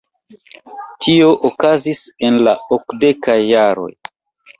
Tio okazis en la okdekaj jaroj.